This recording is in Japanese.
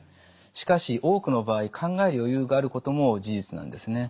しかし多くの場合考える余裕があることも事実なんですね。